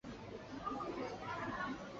朝鲜景宗的陵墓懿陵位于本区的石串洞。